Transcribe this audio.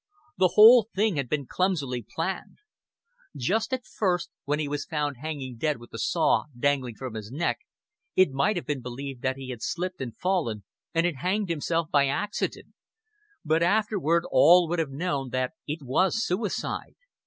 The whole thing had been clumsily planned. Just at first, when he was found hanging dead with the saw dangling from his neck, it might have been believed that he had slipped and fallen, and hanged himself by accident; but afterward all would have known that it was suicide.